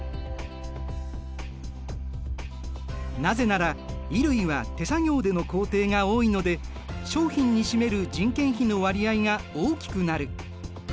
なぜなら衣類は手作業での工程が多いので商品に占める人件費の割合が大きくなる。